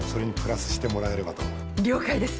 了解です。